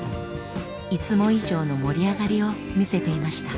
いつも以上の盛り上がりを見せていました。